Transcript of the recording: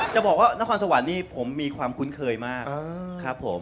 จะบอกว่านครสวรรค์นี่ผมมีความคุ้นเคยมากครับผม